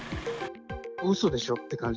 うそでしょ？って感じ。